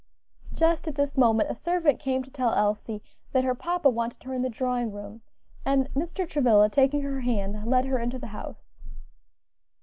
Just at this moment a servant came to tell Elsie that her papa wanted her in the drawing room, and Mr. Travilla, taking her hand, led her into the house.